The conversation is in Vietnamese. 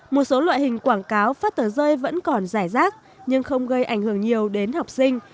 một số loại hình quảng cáo phát tờ rơi vẫn còn dài rác nhưng không gây ảnh hưởng nhiều đến học sinh